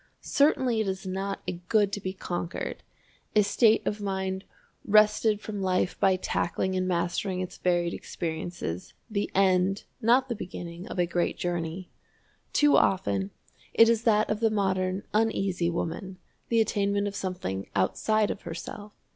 Certainly it is not a good to be conquered a state of mind wrested from life by tackling and mastering its varied experiences, the end, not the beginning, of a great journey. Too often it is that of the modern Uneasy Woman the attainment of something outside of herself.